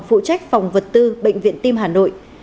phụ trách phòng vật tư bệnh viện tim hà nội